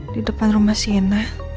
di depan rumah sienna